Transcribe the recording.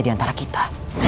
di antara kita